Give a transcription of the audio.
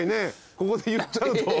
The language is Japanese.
ここで言っちゃうと。